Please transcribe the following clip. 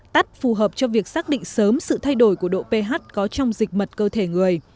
tắt phù hợp cho việc xác định sớm sự thay đổi của độ ph có trong dịch mật cơ thể người